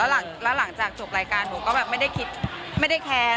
แล้วหลังจากจบรายการหนูก็แบบไม่ได้แค้น